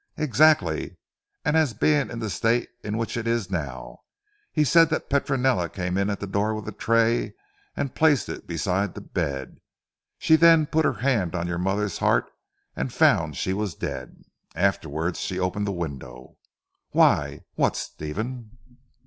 "Exactly; and as being in the state in which it now is. He said that Petronella came in at the door with a tray and placed it beside the bed. She then put her hand on your mother's heart and found that she was dead. Afterwards she opened the window. Why what Stephen?"